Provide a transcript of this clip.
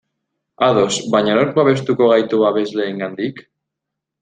Ados, baina nork babestuko gaitu babesleengandik?